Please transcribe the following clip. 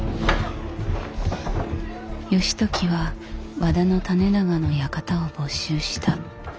義時は和田胤長の館を没収した。